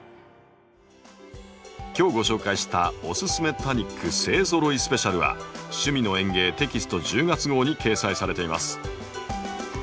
今日ご紹介した「おススメ多肉勢ぞろいスペシャル」は「趣味の園芸」テキスト１０月号に掲載されています。